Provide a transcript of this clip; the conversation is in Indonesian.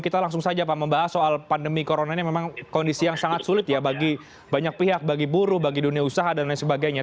kita langsung saja pak membahas soal pandemi corona ini memang kondisi yang sangat sulit ya bagi banyak pihak bagi buru bagi dunia usaha dan lain sebagainya